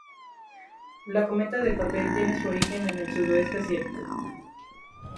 La "Cometa de Papel" tiene su origen en el sudeste asiático.